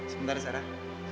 sebentar ya sarah